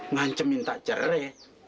ngancemin tak cere